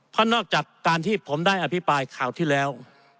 เพราะนอกจากการที่ผมได้อภิปรายข่าวที่แล้ว